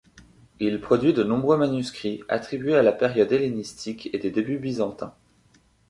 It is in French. Il produit de nombreux manuscrits attribués à la période hellénistique et des débuts byzantins.